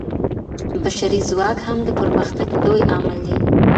بشري ځواک هم د پرمختګ لوی عامل دی.